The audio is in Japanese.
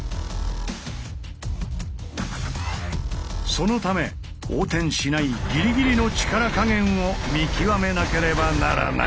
そのため横転しないギリギリの力加減を見極めなければならない。